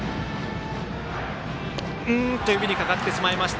指にかかってしまいました。